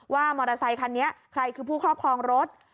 มอเตอร์ไซคันนี้ใครคือผู้ครอบครองรถ